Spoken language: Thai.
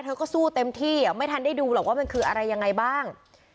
เธอก็สู้เต็มที่ไม่ทันได้ดูหรอกว่ามันคืออะไรยังไงบ้าง